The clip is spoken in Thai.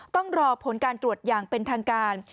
ต้องรอผลการตรวจอย่างเป็นทางการ